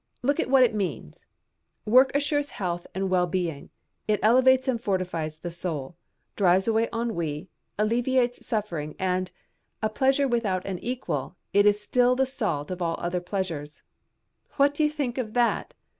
Look at what all that means 'Work assures health and well being, it elevates and fortifies the soul, drives away ennui, alleviates suffering, and, a pleasure without an equal, it is still the salt of all other pleasures' what do you think of that?